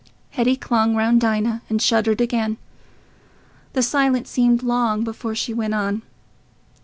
Hetty clung round Dinah and shuddered again. The silence seemed long before she went on.